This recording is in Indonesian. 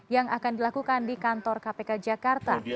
yang akan dilakukan di kantor kpk jakarta